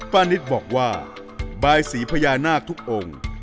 นิตบอกว่าบายสีพญานาคทุกองค์